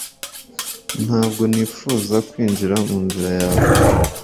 Ntabwo twifuzaga kwinjira mu nzira yawe